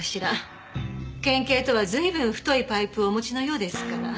県警とは随分太いパイプをお持ちのようですから。